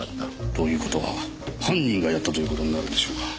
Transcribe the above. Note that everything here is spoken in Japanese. という事は犯人がやったという事になるんでしょうか。